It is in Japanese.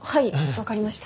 わかりました。